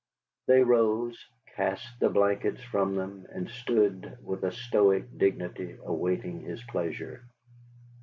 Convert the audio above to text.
They rose, cast the blankets from them, and stood with a stoic dignity awaiting his pleasure.